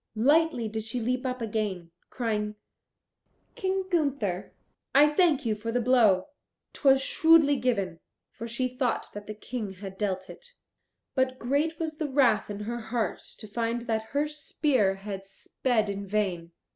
Lightly did she leap up again, crying, "King Gunther, I thank you for the blow; 'twas shrewdly given," for she thought that the King had dealt it. But great was the wrath in her heart to find that her spear had sped in vain.